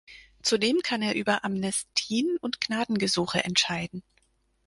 Zudem kann er über Amnestien und Gnadengesuche entscheiden.